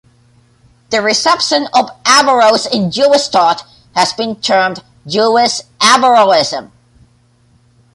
The reception of Averroes in Jewish thought, has been termed "Jewish Averroism".